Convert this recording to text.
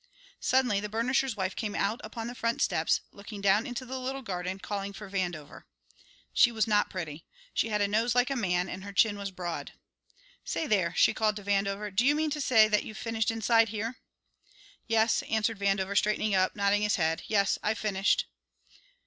Suddenly the burnisher's wife came out upon the front steps, looking down into the little garden, calling for Vandover. She was not pretty; she had a nose like a man and her chin was broad. "Say, there," she called to Vandover, "do you mean to say that you've finished inside here?" "Yes," answered Vandover, straightening up, nodding his head. "Yes, I've finished."